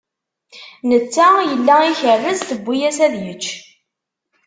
Netta yella ikerrez, tewwi-as ad yečč.